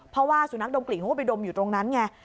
เพราะว่าสุนัขดมกลิ่นเขาก็ไปดมอยู่ตรงนั้นไง